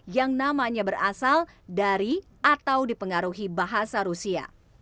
yang namanya berasal dari atau dipengaruhi bahasa rusia